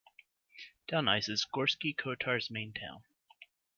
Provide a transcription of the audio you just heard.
Delnice is Gorski Kotar's main town.